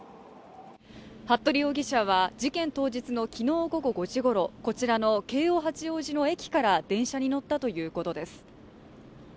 服部容疑者は事件当日のきのう午後５時ごろ、京王八王子の駅から電車に乗ったということです。